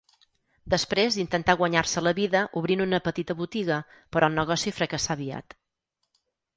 Després intentà guanyar-se la vida obrint una petita botiga, però el negoci fracassà aviat.